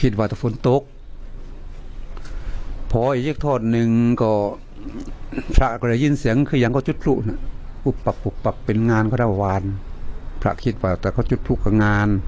ด้วยกัน